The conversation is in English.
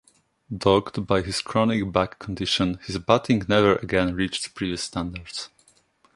Dogged by his chronic back condition, his batting never again reached previous standards.